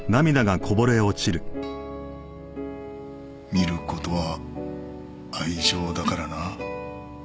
見る事は愛情だからな。